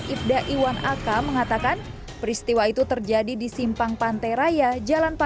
ibda iwan aka mengatakan peristiwa itu terjadi di simpang pantai raya